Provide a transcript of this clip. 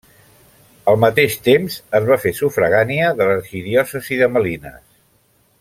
Al mateix temps, es va fer sufragània de l'arxidiòcesi de Malines.